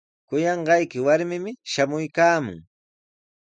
Kuyanqayki warmimi shamuykaamun.